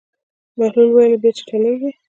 بهلول وویل: بیا چټلېږي.